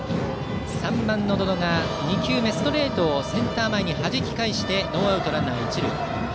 ３番の百々が２球目ストレートをセンター前にはじき返してノーアウトランナー、一塁。